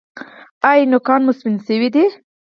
ایا نوکان مو سپین شوي دي؟